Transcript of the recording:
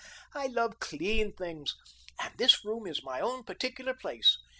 I love CLEAN things, and this room is my own particular place.